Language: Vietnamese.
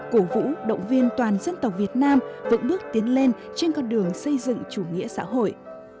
cổ vũ động viên toàn dân tộc việt nam vững bước tiến lên trên con đường xây dựng chủ nghĩa xã hội